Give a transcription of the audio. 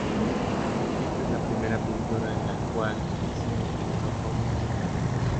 Ésta es la primera pintura en la cual Vincent utilizó fondos estrellados.